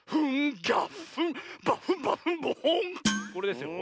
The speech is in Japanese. これですよ。